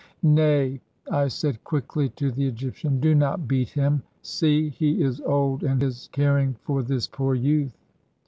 "'Nay," I said quickly, to the Egyptian, "do not beat him! See, he is old, and is caring for this poor youth!"